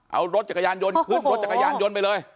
เอารถจักรยานยนต์ขึ้นรถจักรยานยนต์ไปเลย